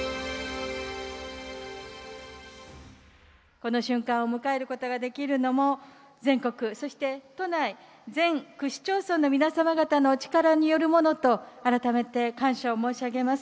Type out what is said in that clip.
この瞬間を迎えることができるのも、全国、そして都内全区市町村の皆様方のお力によるものと、改めて感謝を申し上げます。